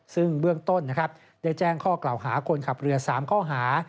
ซึ่งเบื้องต้นนะครับได้แจ้งข้อกล่าวหาคนขับเรือ๓ข้อหา